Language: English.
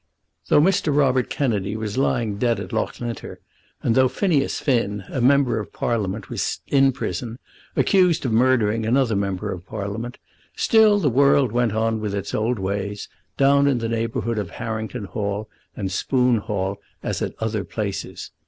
Though Mr. Robert Kennedy was lying dead at Loughlinter, and though Phineas Finn, a member of Parliament, was in prison, accused of murdering another member of Parliament, still the world went on with its old ways, down in the neighbourhood of Harrington Hall and Spoon Hall as at other places.